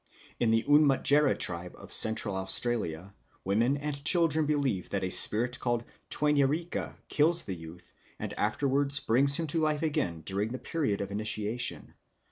In the Unmatjera tribe of Central Australia women and children believe that a spirit called Twanyirika kills the youth and afterwards brings him to life again during the period of initiation.